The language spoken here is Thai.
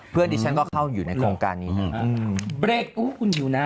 เพื่อนดิฉันก็เข้าอยู่ในโครงการนี้